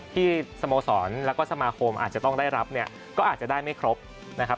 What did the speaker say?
ที่สโมสรแล้วก็สมาคมอาจจะต้องได้รับเนี่ยก็อาจจะได้ไม่ครบนะครับ